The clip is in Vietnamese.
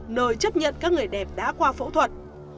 nơi chấp nhận các người đẹp đã qua phẫu thuật